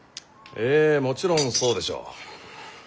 ええもちろんそうでしょう。